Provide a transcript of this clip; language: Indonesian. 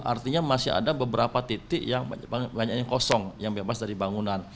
artinya masih ada beberapa titik yang banyak yang kosong yang bebas dari bangunan